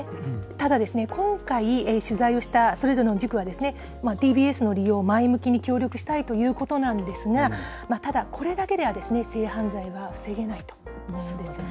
ただ、今回取材をしたそれぞれの塾は、ＤＢＳの利用を前向きに協力したいということなんですが、ただ、これだけでは性犯罪は防げないと思うんですよね。